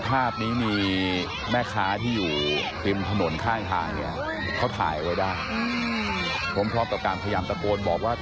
ต้องไปลุมกันแบบนับสิบหรอค่ะ